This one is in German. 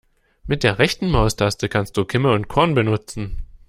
Mit der rechten Maustaste kannst du Kimme und Korn benutzen.